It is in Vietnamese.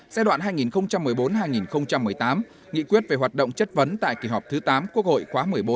giai đoạn hai nghìn một mươi bốn hai nghìn một mươi tám nghị quyết về hoạt động chất vấn tại kỳ họp thứ tám quốc hội khóa một mươi bốn